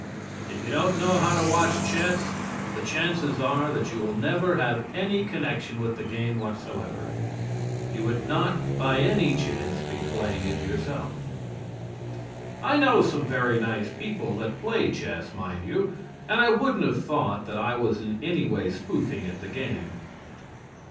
If you don't know how to watch chess, the chances are that you will never have any connection with the game whatsoever. You would not, by any chance, be playing it yourself. I know some very nice people that play chess, mind you, and I wouldn't have thought that I was in any way spoofing at the game.